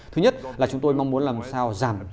thứ nhất là chúng tôi mong muốn làm sao